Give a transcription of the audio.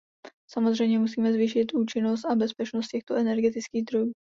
Samozřejmě musíme zvýšit účinnost a bezpečnost těchto energetických zdrojů.